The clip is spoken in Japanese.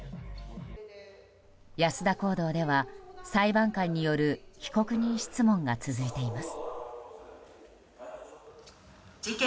安田講堂では、裁判官による被告人質問が続いています。